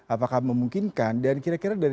apakah memungkinkan dan kira kira dari